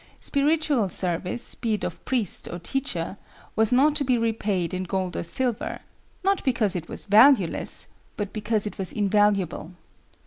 Spiritual service, be it of priest or teacher, was not to be repaid in gold or silver, not because it was valueless but because it was invaluable.